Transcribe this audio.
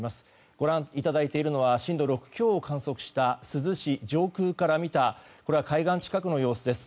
ご覧いただいているのは震度６強を観測した珠洲市上空から見た海岸近くの様子です。